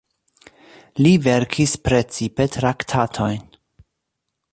Li verkis precipe traktatojn.